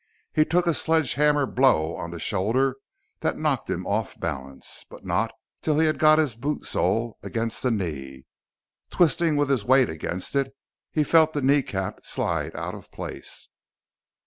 He took a sledgehammer blow on the shoulder that knocked him off balance, but not till he had got his boot sole against the knee. Twisting with his weight against it, he felt the kneecap slide out of place.